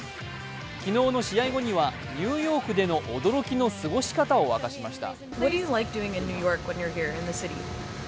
昨日の試合後にはニューヨークでの驚きの過ごし方を明かしました。